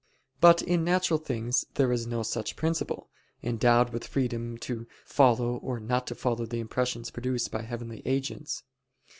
But in natural things there is no such principle, endowed with freedom to follow or not to follow the impressions produced by heavenly agents.